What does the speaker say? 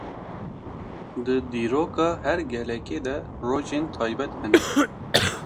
Di dîroka her gelekî de rojên taybet hene.